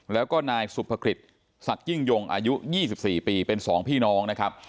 แล้วก็นายสุภคฤษศักดิ์ยิ่งยงอายุยี่สิบสี่ปีเป็นสองพี่น้องนะครับ